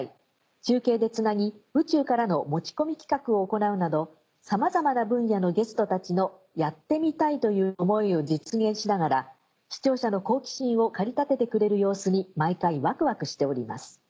中継でつなぎ宇宙からの持ち込み企画を行うなどさまざまな分野のゲストたちのやってみたいという思いを実現しながら視聴者の好奇心を駆り立ててくれる様子に毎回ワクワクしております。